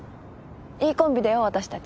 いいコンビだよ私たち。